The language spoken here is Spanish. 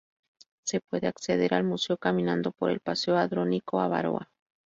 Se puede acceder al museo caminando por el paseo Andrónico Abaroa.